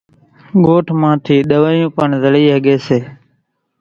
ڳوٺ مان ٿِي ۮووايون پڻ زڙِي ۿڳيَ سي۔